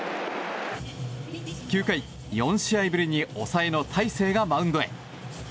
９回、４試合ぶりに抑えの大勢がマウンドへ。